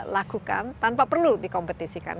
lakukan tanpa perlu dikompetisikan